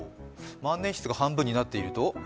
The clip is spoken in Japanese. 万年筆が半分になってると？